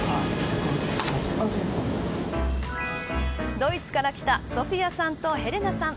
ドイツから来たソフィアさんとヘレナさん。